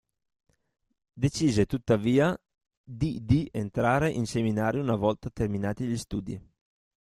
Decise tuttavia di di entrare in seminario una volta terminati gli studi.